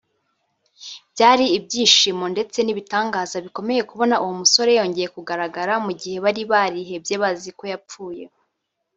byari ibyishimo ndetse n’ibitangaza bikomeye kubona uwo musore yongeye kugaragara mu gihe bari barihebye bazi ko yapfuye